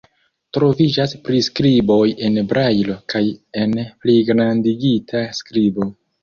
Troviĝas priskriboj en brajlo kaj en pligrandigita skribo.